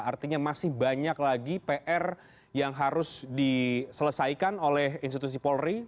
artinya masih banyak lagi pr yang harus diselesaikan oleh institusi polri